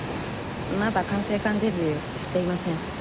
まだ管制官デビューしていません。